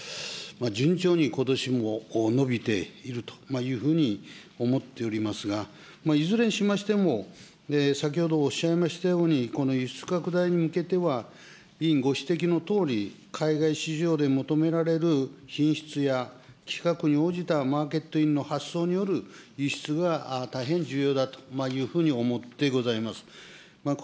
順調にことしも伸びているというふうに思っておりますが、いずれにしましても、先ほどおっしゃいましたように、この輸出拡大に向けては、委員ご指摘のとおり、海外市場で求められる品質や規格に応じたマーケットの発送による輸出が大変重要だというふうに思ってございます。